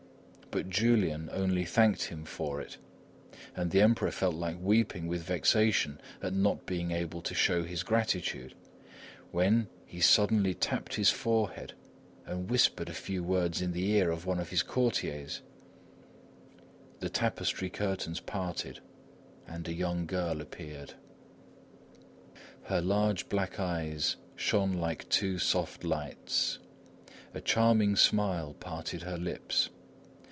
But Julian only thanked him for it, and the Emperor felt like weeping with vexation at not being able to show his gratitude, when he suddenly tapped his forehead and whispered a few words in the ear of one of his courtiers; the tapestry curtains parted and a young girl appeared. Her large black eyes shone like two soft lights. A charming smile parted her lips.